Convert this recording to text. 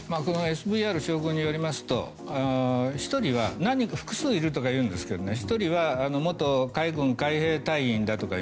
ＳＶＲ将軍によりますと何人か複数いるというんですけど１人は元海軍海兵隊員だと。